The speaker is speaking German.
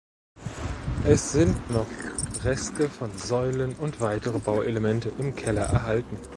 Es sind noch Reste von Säulen und weitere Bauelemente im Keller erhalten.